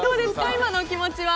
今のお気持ちは。